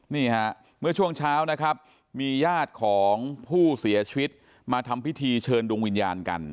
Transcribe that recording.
นี่ฮะเมื่อช่วงเช้านะครับมีญาติของผู้เสียชีวิตมาทำพิธีเชิญดวงวิญญาณกัน